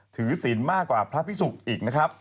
ถือสินมากกว่าพระพิสุทธิ์อีก